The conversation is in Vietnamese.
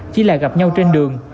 chỉ là gặp nhau trên đường